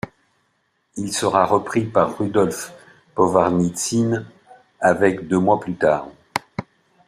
Il sera repris par Rudolf Povarnitsyn avec deux mois plus tard.